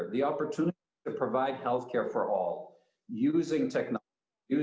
kebukaan untuk memberikan perihal kesehatan untuk semua